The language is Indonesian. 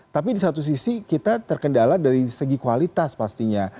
tapi di satu sisi kita terkendala dari segi kualitas pastinya